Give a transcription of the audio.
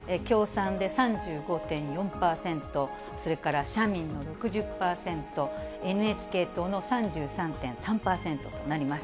３０％を超えているのは、共産で３５．４％、それから社民６０％、ＮＨＫ党の３３．３％となります。